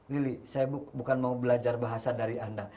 lili saya bukan mau belajar bahasa dari anda